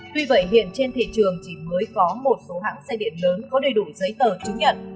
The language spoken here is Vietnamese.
tuy vậy hiện trên thị trường chỉ mới có một số hãng xe điện lớn có đầy đủ giấy tờ chứng nhận